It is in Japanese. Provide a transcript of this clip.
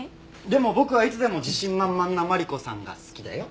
でも僕はいつでも自信満々なマリコさんが好きだよ。